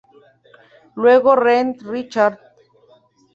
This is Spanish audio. Luego Reed Richards